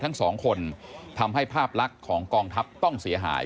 ทั้งสองคนทำให้ภาพลักษณ์ของกองทัพต้องเสียหาย